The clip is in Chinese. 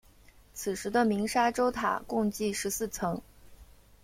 此时的鸣沙洲塔共计十四层。